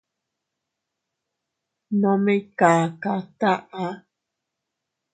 Nome ikaka taʼa.